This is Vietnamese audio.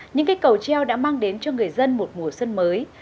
những cây cầu treo đã mang đến cho người dân một mùa xuân mới